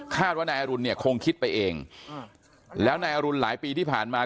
ว่านายอรุณเนี่ยคงคิดไปเองแล้วนายอรุณหลายปีที่ผ่านมา